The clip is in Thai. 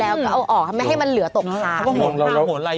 แล้วก็เอาออกมันเอาออกไม่ให้มันเหลือตกพาย